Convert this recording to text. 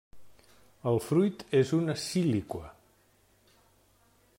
El fruit és una síliqua.